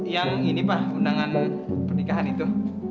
yang ini pak undanganmu pernikahan itu